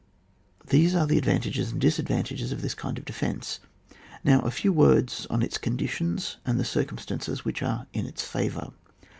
These are the advantages and disad vantages of this kind of defence; now a few words on its conditions and the oircumstances which are in its favour.